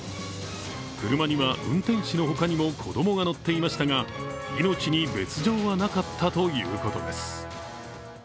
車には運転手のほかにも子供が乗っていましたが、命に別状はなかったということです。